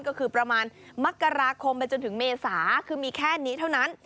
ก็คือประมาณมกราคมไปจนถึงเมษาคือมีแค่นี้เท่านั้น